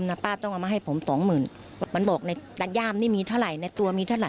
ประมาต้องเอามาให้ผมบาท๖๐๐๐๐บาท